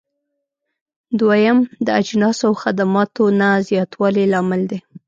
دويم: د اجناسو او خدماتو نه زیاتوالی لامل دی.